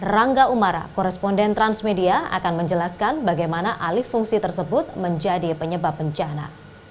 rangga umara koresponden transmedia akan menjelaskan bagaimana alih fungsi tersebut menjadi penyebab bencana